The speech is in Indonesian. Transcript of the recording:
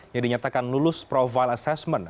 yang dinyatakan lulus profile assessment